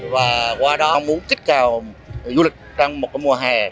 và qua đó muốn kích cào du lịch trong một mùa hè